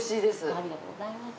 ありがとうございます。